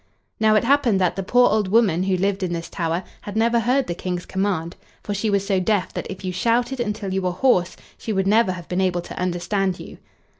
Now, it happened that the poor old woman who lived in this tower had never heard the King's command, for she was so deaf that if you shouted until you were hoarse she would never have been able to understand you.